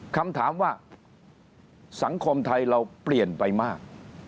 คำถามว่าสังคมไทยเราเปลี่ยนไปมาก